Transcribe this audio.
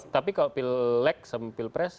tapi kalau pileg sama pilpres